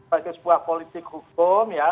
sebagai sebuah politik hukum ya